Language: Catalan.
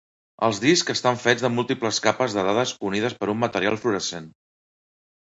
Els discs estan fets de múltiples capes de dades unides per un material fluorescent.